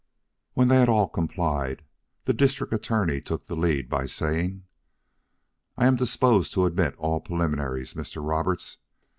When they had all complied, the District Attorney took the lead by saying: "I am disposed to omit all preliminaries, Mr. Roberts.